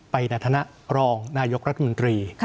ในฐานะรองนายกรัฐมนตรี